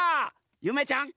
ゆめちゃん